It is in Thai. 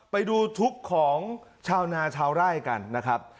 ไปดูทุกข์ของชาวนาชาวไร่กันนะครับ